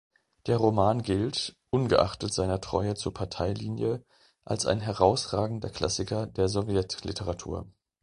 Der Roman gilt, ungeachtet seiner Treue zur Parteilinie, als ein herausragender Klassiker der Sowjetliteratur.